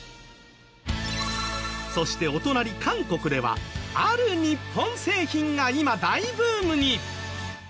そしてお隣韓国ではある日本製品が今大ブームに！